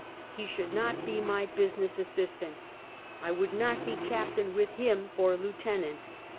He should not be my business assistant. I would not be captain with him for lieutenant.